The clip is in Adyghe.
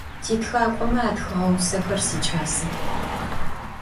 Titxak'ome atxığe vusexer siç'asex.